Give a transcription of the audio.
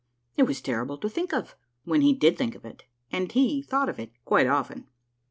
It was terrible to think of, when he did think of it, and he thought of it quite often.